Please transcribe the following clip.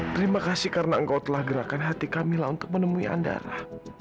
terima kasih karena engkau telah gerakan hati kamilah untuk menemui andara